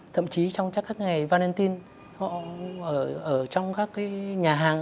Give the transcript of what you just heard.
thậm chí trong các ngày valentine họ ở trong các nhà hàng